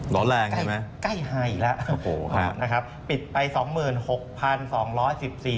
ร้อนแรงใช่มั้ย